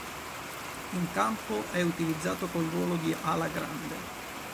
In campo è utilizzato col ruolo di ala grande.